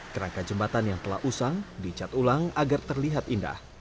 kerangka jembatan yang telah usang dicat ulang agar terlihat indah